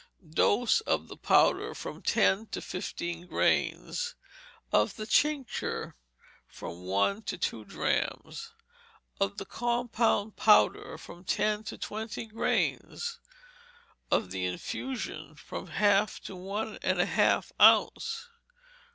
Dose, of the powder, from ten to fifteen grains; of the tincture, from one to two drachms; of the compound powder, from ten to twenty grains; of the infusion, from a half to one and a half ounce.